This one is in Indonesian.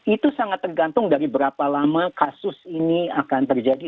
itu sangat tergantung dari berapa lama kasus ini akan terjadi